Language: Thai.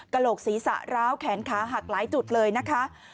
โหลกศีรษะร้าวแขนขาหักหลายจุดเลยนะคะ